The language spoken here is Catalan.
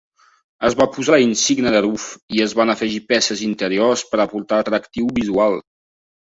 Es va posar la insígnia de Ruf i es van afegir peces interiors per aportar atractiu visual.